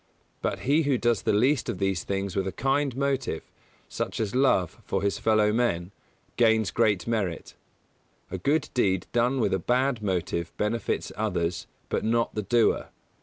But he who does the least of these things with a kind motive, such as love for his fellow men, gains great merit. A good deed done with a bad motive benefits others, but not the doer.